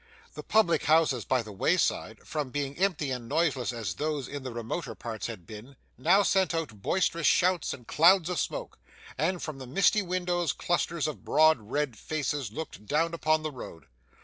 The public houses by the wayside, from being empty and noiseless as those in the remoter parts had been, now sent out boisterous shouts and clouds of smoke; and, from the misty windows, clusters of broad red faces looked down upon the road.